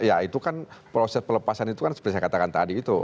ya itu kan proses pelepasan itu kan seperti saya katakan tadi itu